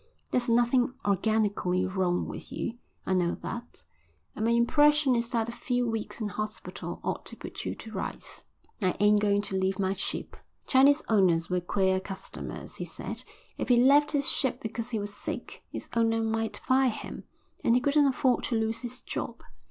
There's nothing organically wrong with you, I know that, and my impression is that a few weeks in hospital ought to put you to rights." "I ain't going to leave my ship." Chinese owners were queer customers, he said; if he left his ship because he was sick, his owner might fire him, and he couldn't afford to lose his job.